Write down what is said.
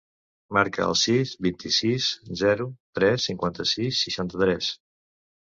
Marca el sis, vint-i-sis, zero, tres, cinquanta-sis, seixanta-tres.